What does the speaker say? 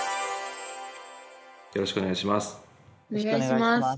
よろしくお願いします。